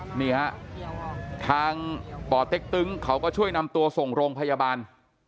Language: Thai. นี่ฮะทางป่อเต็กตึงเขาก็ช่วยนำตัวส่งโรงพยาบาล